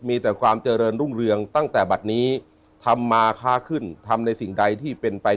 มีแต่ความเจริญรุ่งเรืองตั้งแต่บัตรนี้ทำมาค้าขึ้นทำในสิ่งใดที่เป็นไป